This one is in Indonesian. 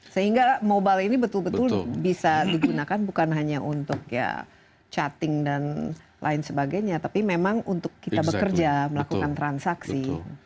sehingga mobile ini betul betul bisa digunakan bukan hanya untuk ya chatting dan lain sebagainya tapi memang untuk kita bekerja melakukan transaksi